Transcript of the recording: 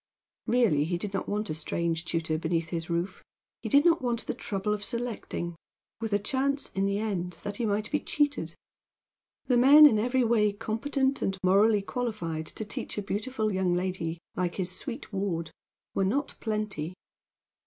Really, he did not want a strange tutor beneath his roof; he did not want the trouble of selecting, with a chance, in the end, that he might be cheated. The men in every way competent and morally qualified to teach a beautiful young lady, like his sweet ward, were not plenty.